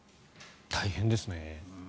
大変ですね。